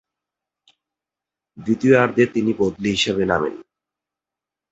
দ্বিতীয়ার্ধে তিনি বদলি হিসেবে নামেন।